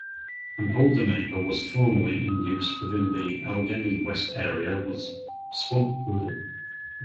An older neighborhood name formerly in use within the Allegheny West area was Swampoodle.